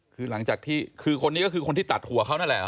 คือหลังจากที่คือคนนี้ก็คือคนที่ตัดหัวเขานั่นแหละเห